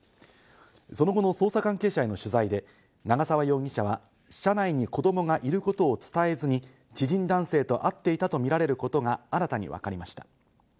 その後の捜査関係者への取材で、長沢容疑者は車内に子供がいることを伝えずに知人男性と会っていたとみられることが新たに分かりました。